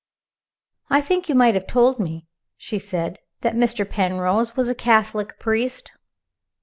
"I think you might have told me," she said, "that Mr. Penrose was a Catholic priest."